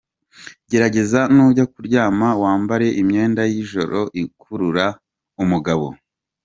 Gerageza nujya kuryama wambare imyenda y’ijoro ikurura umugabo:.